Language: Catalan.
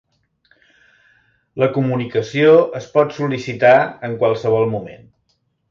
La comunicació es pot sol·licitar en qualsevol moment.